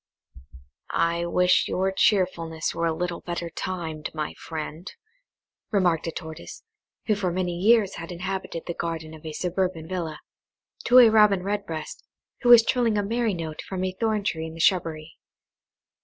"I WISH your cheerfulness were a little better timed, my friend," remarked a Tortoise, who for many years had inhabited the garden of a suburban villa, to a Robin Redbreast, who was trilling a merry note from a thorn tree in the shrubbery.